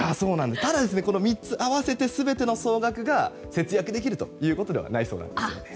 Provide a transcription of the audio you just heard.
ただ、３つ合わせて全ての総額が節約できるということではないそうなんですよね。